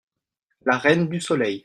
La Reine du soleil.